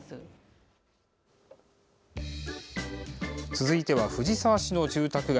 続いては藤沢市の住宅街。